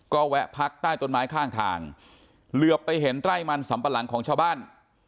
ก็แวะพักใต้ต้นไม้ข้างทางเหลือไปเห็นไร่มันสำปะหลังของชาวบ้าน